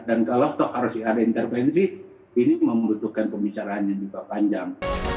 dan kalau itu harus ada intervensi ini membutuhkan pembicaraan yang juga panjang